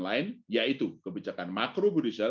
lain yaitu kebijakan makrobudur